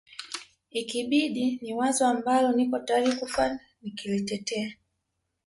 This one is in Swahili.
ikibidi ni wazo ambalo niko tayari kufa nikilitetea